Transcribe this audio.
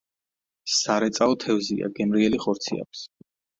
სარეწაო თევზია, გემრიელი ხორცი აქვს.